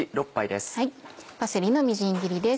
パセリのみじん切りです。